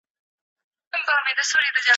په تیاره کي غشي اوري یو د بل په وینو رنګ یو